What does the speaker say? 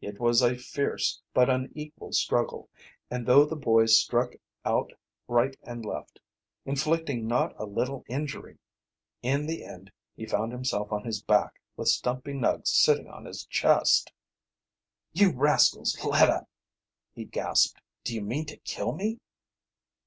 It was a fierce, but unequal struggle, and though the boy struck out right and left, inflicting not a little injury, in the end he found himself on his back, with Stumpy Nuggs sitting on his chest. "You rascals, let up," he gasped. "Do you mean to kill me?"